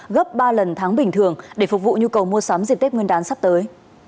gấp ba lần tháng bình thường để phục vụ nhu cầu mua sắm dịp tết nguyên đán sắp tới